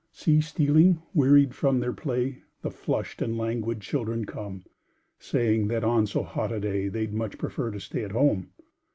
See stealing, wearied from their play, The flushed and languid children come, Saying that on so hot a day They'd much prefer to stay at home.